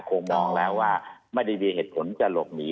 คงมองแล้วว่าไม่ได้มีเหตุผลจะหลบหนี